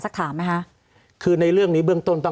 สวัสดีครับทุกคน